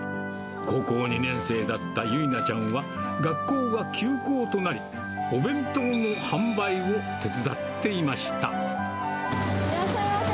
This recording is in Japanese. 高校２年生だった由奈ちゃんは学校が休校となり、お弁当の販売をいらっしゃいませ。